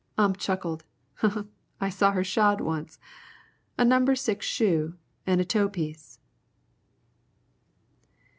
Ump chuckled. "I saw her shod once. A number six shoe an' a toe piece."